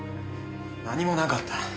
何もなかった。